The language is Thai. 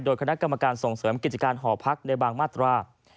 คณะกรรมการส่งเสริมกิจการหอพักในบางมาตรา